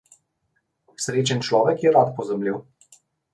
Srečen človek je rad pozabljiv.